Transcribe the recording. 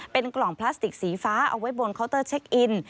เป็นกล่องพลาสติกสีฟ้าเอาไว้บนเคาน์เตอร์เช็คอิน